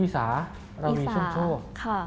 อิซาระวีชุ่มโชค